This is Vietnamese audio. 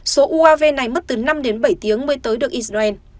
số uav này mất từ năm đến bảy tiếng mới tới được israel